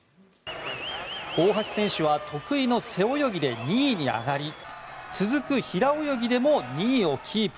大橋選手は得意の背泳ぎで２位に上がり続く平泳ぎでも２位をキープ。